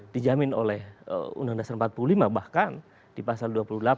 dijamin oleh undang undang dasar empat puluh lima bahkan di pasal dua puluh delapan